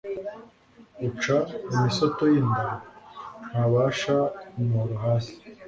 uca imisoto y'inda ntafasha umuhoro hasi